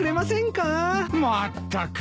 まったく。